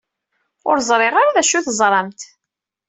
Ur ẓriɣ ara d acu ay ẓrant.